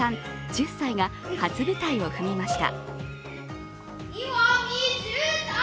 １０歳が初舞台を踏みました。